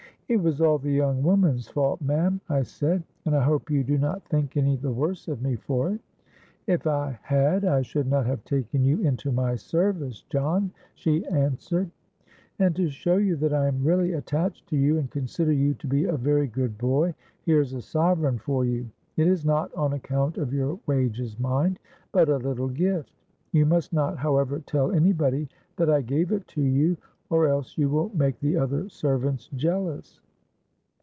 '—'It was all the young woman's fault, ma'am,' I said; 'and I hope you do not think any the worse of me for it.'—'If I had I should not have taken you into my service, John,' she answered. 'And to show you that I am really attached to you and consider you to be a very good boy, here's a sovereign for you. It is not on account of your wages, mind; but a little gift. You must not however tell any body that I gave it to you, or else you will make the other servants jealous.'